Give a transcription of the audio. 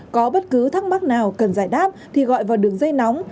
có bất cứ thắc mắc nào cần giải đáp thì gọi vào đường dây nóng